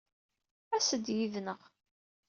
As-d yid-neɣ.